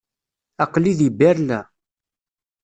Aql-i di Berlin.